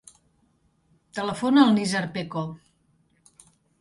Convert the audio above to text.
Telefona al Nizar Peco.